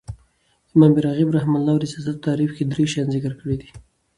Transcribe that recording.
امام راغب رحمة الله د سیاست په تعریف کښي درې شیان ذکر کړي دي.